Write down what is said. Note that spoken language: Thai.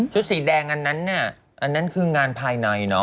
สีแดงอันนั้นน่ะอันนั้นคืองานภายในเนอะ